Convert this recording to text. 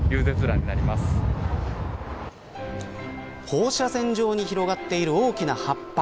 放射線状に広がっている大きな葉っぱ。